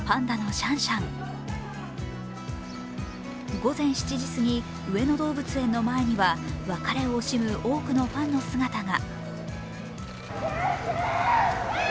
午前７時過ぎ、上野動物園の前には、別れを惜しむ多くのファンの姿が。